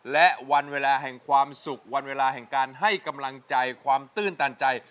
และวันเวลาแห่งความสุขวันเวลาแห่งการให้กำลังใจความตื้นตันใจ